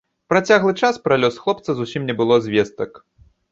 Працяглы час пра лёс хлопца зусім не было звестак.